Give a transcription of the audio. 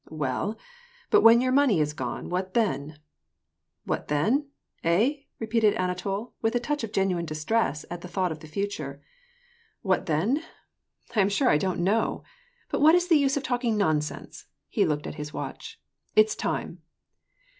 " Well, but when your money is gone, what then ?"^" What then ? Hey ?" repeated Anatol, with a touch of genuine distress at the thought of the f utme. " What then ? vol,. 2. 24, 870 WAR AND PEACE. I am sure I don't know. But what is the use of talking non sense." He looked at his watch. " It's time."